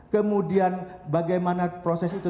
kemudian bagaimana proses itu